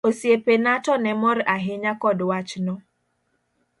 Osiepena to ne mor ahinya kod wachno.